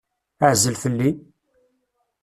Ɛzel fell-i!